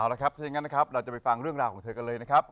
เอาละครับถ้าอย่างนั้นนะครับเราจะไปฟังเรื่องราวของเธอกันเลยนะครับ